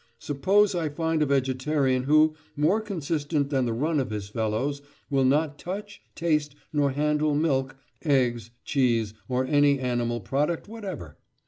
Suppose I find a vegetarian who, more consistent than the run of his fellows, will not touch, taste, nor handle milk, eggs, cheese, or any animal product whatever.